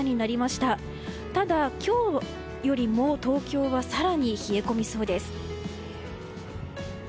ただ今日よりも東京は更に冷え込みそうです。